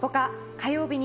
火曜日に。